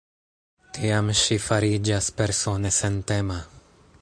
Tiam ŝi fariĝas persone sentema.